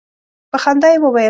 په خندا یې وویل.